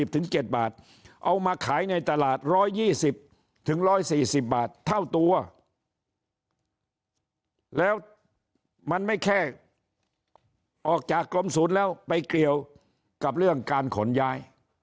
แล้ว๒๐๑๔๐บาทเท่าตัวแล้วมันไม่แค่ออกจากกรมศูนย์แล้วไปเกี่ยวกับเรื่องการขนย้าย